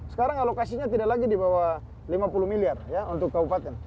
sekarang alokasinya tidak lagi di bawah lima puluh miliar untuk kabupaten